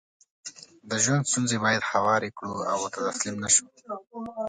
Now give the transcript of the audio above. دژوند ستونزې بايد هوارې کړو او ورته تسليم نشو